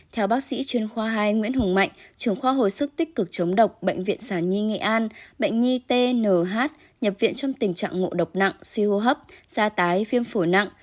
theo bác sĩ chuyên khoa hai nguyễn hùng mạnh trưởng khoa hồi sức tích cực chống độc bệnh viện sản nhi nghệ an bệnh nhi tnh nhập viện trong tình trạng ngộ độc nặng suy hô hấp gia tái viêm phổi nặng